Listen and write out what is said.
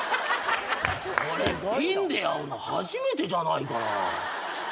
これピンでやるの初めてじゃないかな。